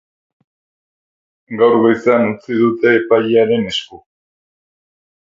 Gaur goizean utzi dute epailearen esku.